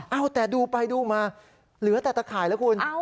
เอาแต่ดูไปดูมาเหลือแต่ตะข่ายแล้วคุณ